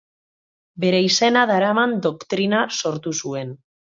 Bere izena daraman doktrina sortu zuen.